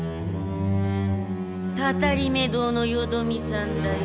たたりめ堂のよどみさんだよ。